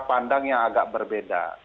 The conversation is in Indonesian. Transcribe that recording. pertanyaannya agak berbeda